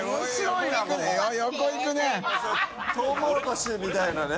い諭トウモロコシみたいなね。